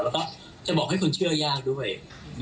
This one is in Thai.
แล้วก็จะบอกให้คนเชื่อยากด้วย